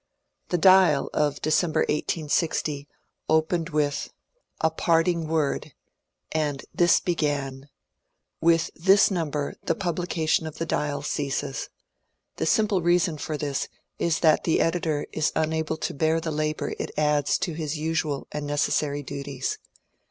The " Dial" of December, 1860, opened with "A Parting 312 MONCURE DANIEL CONWAY Word," and this began :*^ With this number the publication of the ^ Dial ' ceases. The simple reason for this is that the ed itor is unable to bear the labour it adds to his usual and neces sary duties."